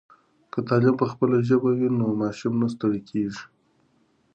که تعلیم په خپله ژبه وي نو ماشوم نه ستړی کېږي.